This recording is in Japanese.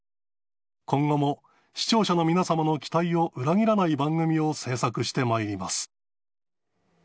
今後も視聴者の皆様の期待を裏切らない番組を制作してまいります。